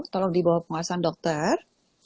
tolong di bawah penguasaan dokter